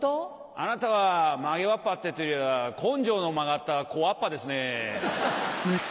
あなたは曲げわっぱってよりは根性の曲がった小童ですね。